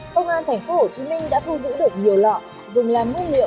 công an tp hcm đã thu giữ được nhiều lọ dùng làm nguyên liệu